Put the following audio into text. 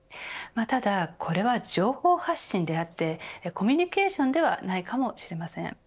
ただ、これは情報発信であってコミュニケーションではないかもしれません。